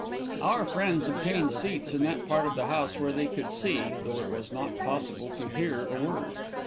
Our friends obtained seats in that part of the house where they could see, though it was not possible to hear a word.